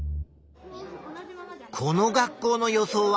この学校の予想は？